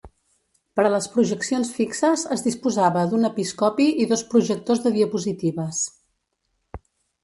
Per a les projeccions fixes, es disposava d'un episcopi, i dos projectors de diapositives.